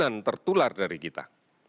yang tertular dari kita